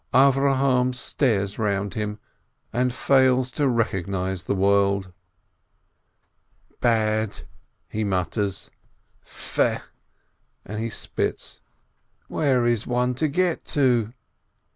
Avrohom stares round him, and fails to recognize the world. "Bad!" he mutters. "Fe!" and he spits. "Where is one to get to?"